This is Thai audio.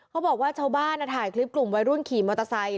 เขาบอกว่าเจ้าบ้านถ่ายคลิปกลุ่มวัยรุ่นขี่มอเตอร์ไซต์